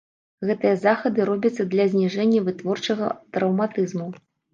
Гэтыя захады робяцца для зніжэння вытворчага траўматызму.